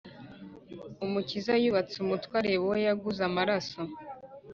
Umukiza yubitse umutwe areba uwo yaguze amaraso